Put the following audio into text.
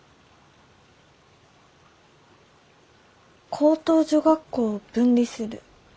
「高等女学校を分離する」。